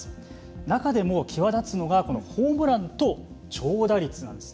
中でも際立つのがこのホームランと長打率なんですね。